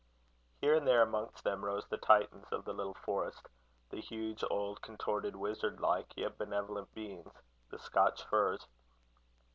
Here and there amongst them, rose the Titans of the little forest the huge, old, contorted, wizard like, yet benevolent beings the Scotch firs.